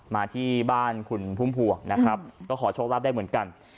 มาที่บ้านคุณพุ่มพวงนะครับก็ขอโชคลาภได้เหมือนกัน